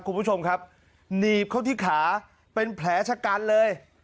คุณผู้ชมครับหนีบเข้าที่ขาเป็นแผลชะกันเลย